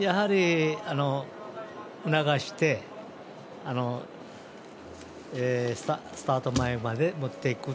やはり促してスタート前まで持っていくと。